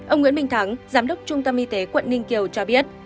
ông nguyễn minh thắng giám đốc trung tâm y tế quận ninh kiều cho biết